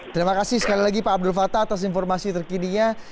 terima kasih sekali lagi pak abdul fattah atas informasi terkini ya